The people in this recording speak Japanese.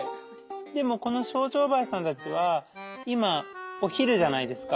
でもこのショウジョウバエさんたちは今お昼じゃないですか。